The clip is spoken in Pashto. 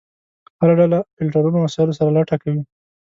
هر ډله فلټرونو وسایلو سره لټه کوي.